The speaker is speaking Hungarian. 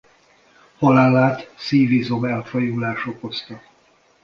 Halálát szívizom elfajulás okozta.